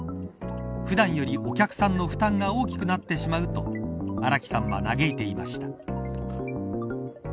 普段よりお客さんの負担が大きくなってしまうと荒木さんは嘆いていました。